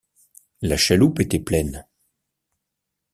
La chaloupe était pleine.